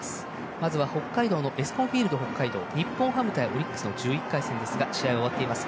まずは北海道のエスコンフィールド北海道日本ハム対オリックスですが１１回戦ですが試合は終わっています。